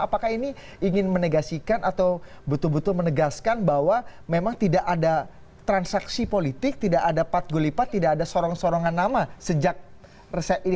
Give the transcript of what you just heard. apakah ini ingin menegasikan atau betul betul menegaskan bahwa memang tidak ada transaksi politik tidak ada pat gulipat tidak ada sorong sorongan nama sejak resep ini